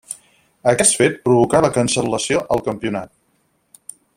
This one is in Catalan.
Aquest fet provocà la cancel·lació el campionat.